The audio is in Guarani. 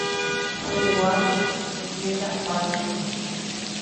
Huguái jetapáicha.